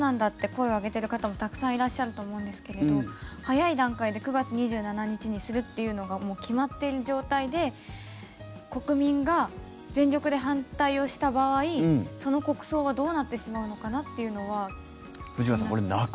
声を上げている方もたくさんいらっしゃると思うんですけれど早い段階で９月２７日にするっていうのがもう決まっている状態で国民が全力で反対をした場合その国葬はどうなってしまうのかなというのは気になる。